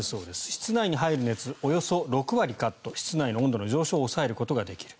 室内に入る熱をおよそ６割カット室内の温度の上昇を抑えることができる。